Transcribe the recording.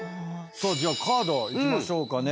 じゃあカードいきましょうかね。